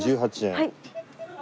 １８円。